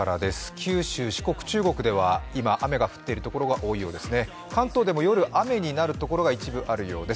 九州、四国、中国では今、雨が降っている所が多いようです。